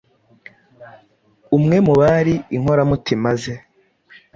Umwe mu bari inkoramutima ze